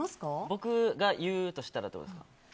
僕が言うとしたらってことですか。